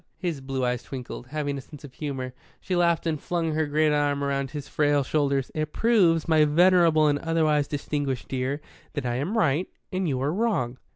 His blue eyes twinkled. Having a sense of humour, she laughed and flung her great arm round his frail shoulders. "It proves, my venerable and otherwise distinguished dear, that I am right and you are wrong."